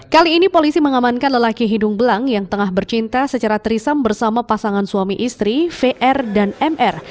kali ini polisi mengamankan lelaki hidung belang yang tengah bercinta secara trisam bersama pasangan suami istri vr dan mr